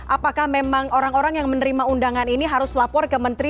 apakah memang orang orang yang menerima undangan ini harus lapor ke menteri